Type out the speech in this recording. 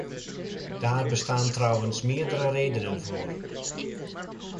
Daar bestaan trouwens meerdere redenen voor.